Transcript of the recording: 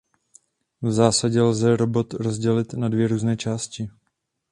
V zásadě lze robot rozdělit na dvě různé části.